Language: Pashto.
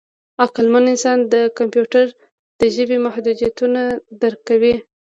عقلمن انسان د کمپیوټر د ژبې محدودیتونه درک کوي.